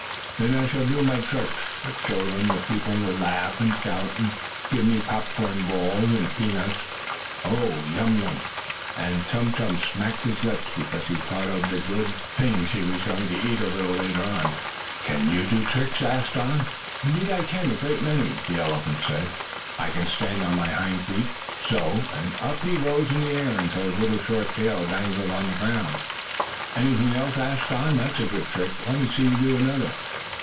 Then I shall do my tricks, the children and the people will laugh and shout, and give me popcorn balls and peanuts. Oh, yum yum!" and Tum Tum smacked his lips because he thought of the good things he was going to have to eat a little later on. "Can you do tricks?" asked Don. "Indeed I can, a great many," the elephant said. "I can stand on my hind feet so!" and up he rose in the air, until his little short tail dangled on the ground. "Anything else?" asked Don. "That's a good trick. Let me see you do another."